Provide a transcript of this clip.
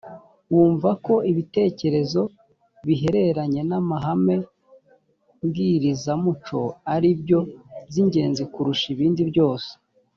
wumva ko ibitekerezo bihereranye n’amahame mbwirizamuco ari byo by’ingenzi kurusha ibindi byose